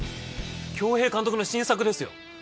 恭兵監督の新作ですよ